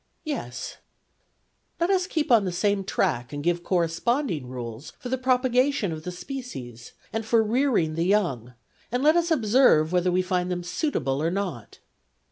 ' Yes/ ' Let us keep on the same track and give correspond ing rules for the propagation of the species, and for rearing the young ; and let us observe whether we find them suitable or not.'